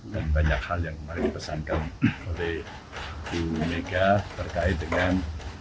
dan banyak hal yang kemarin pesankan oleh di mega terkait dengan